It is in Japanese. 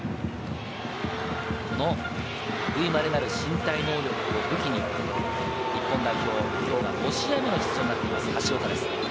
この類まれなる身体能力を武器に日本代表、きょうが５試合目の出場となっています橋岡。